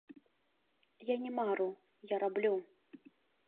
Я не мару, я раблю.